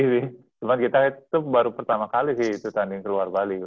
cuman kita itu baru pertama kali sih itu tanding ke luar bali